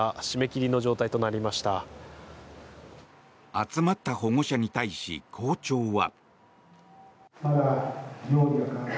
集まった保護者に対し校長は。